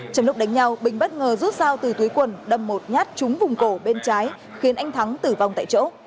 trong lúc đánh nhau bình bất ngờ rút dao từ túi quần đâm một nhát trúng vùng cổ bên trái khiến anh thắng tử vong tại chỗ